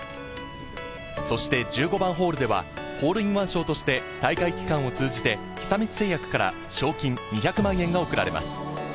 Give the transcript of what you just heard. そして１５番ホールではホールインワン賞として大会期間を通じて、久光製薬から賞金２００万円が贈られます。